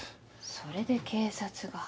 それで警察が。